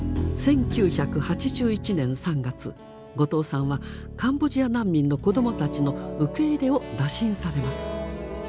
１９８１年３月後藤さんはカンボジア難民の子どもたちの受け入れを打診されます。